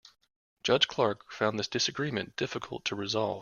Judge Clark found this disagreement difficult to resolve.